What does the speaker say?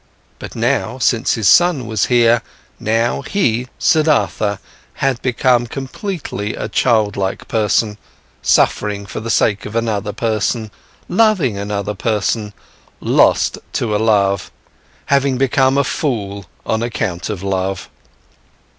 But now, since his son was here, now he, Siddhartha, had also become completely a childlike person, suffering for the sake of another person, loving another person, lost to a love, having become a fool on account of love.